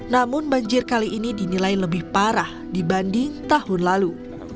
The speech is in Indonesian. namun banjir kali ini dinilai lebih parah dibanding tahun lalu